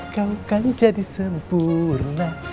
kau kan jadi sempurna